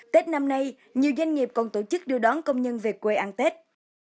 tết năm nay nhiều doanh nghiệp còn tổ chức đưa đón công nhân về quê ăn tết